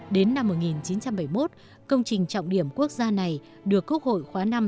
đến năm một nghìn chín trăm bảy mươi một công trình trọng điểm quốc gia này được quốc hội khóa năm